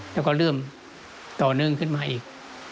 แล้วก็เริ่มต่อเนื่องขึ้นมาอีก